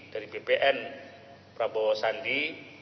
dari bpn prabowo sandi